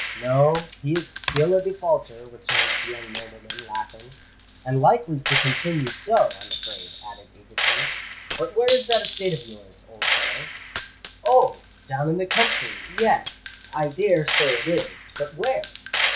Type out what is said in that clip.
"No—he is still a defaulter," returned the young nobleman, laughing. "And likely to continue so, I'm afraid," added Egerton. "But where is that estate of yours, old fellow?" "Oh! down in the country——" "Yes—I dare say it is. But where?"